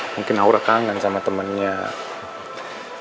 mungkin aura kangen sama teman teman